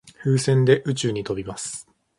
風船で宇宙に飛びます。